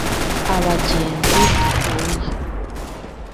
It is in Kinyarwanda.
abagenzi duhuye